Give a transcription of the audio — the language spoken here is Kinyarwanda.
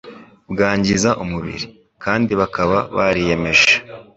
bwangiza umubiri, kandi bakaba bariyemeje